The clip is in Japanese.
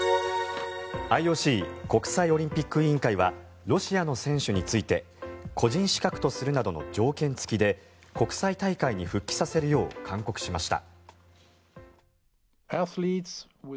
ＩＯＣ・国際オリンピック委員会はロシアの選手について個人資格とするなどの条件付きで国際大会に復帰させるよう勧告しました。